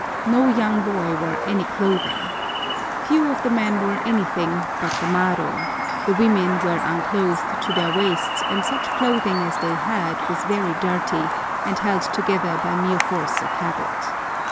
No young boy wore any clothing. Few of the men wore anything but the maro, the women were unclothed to their waists and such clothing as they had was very dirty, and held together by mere force of habit.